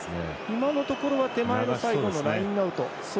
今のところは手前の最後のラインアウト。